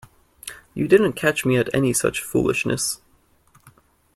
You don't catch me at any such foolishness.